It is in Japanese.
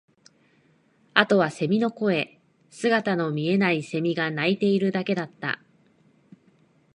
あとは蝉の声、姿の見えない蝉が鳴いているだけだった